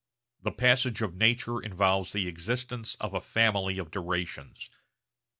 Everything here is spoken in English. The passage of nature involves the existence of a family of durations.